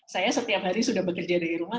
saya setiap hari sudah bekerja dari rumah